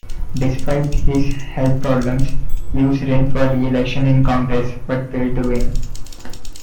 Despite his health problems, Hewes ran for re-election in Congress but failed to win.